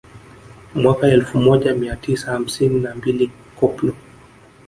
Mwaka elfu moja mia tisa hamsini na mbili Koplo